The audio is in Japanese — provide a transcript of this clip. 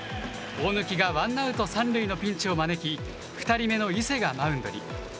大貫がワンアウト３塁のピンチを招き、２人目の伊勢がマウンドに。